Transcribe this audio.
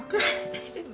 大丈夫？